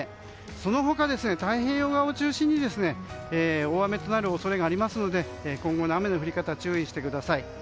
その他も太平洋側を中心に大雨となる恐れがありますので今後の雨の降り方に注意してください。